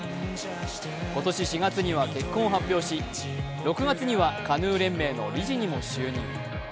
今年４月には結婚を発表し６月にはカヌー連盟の理事にも就任。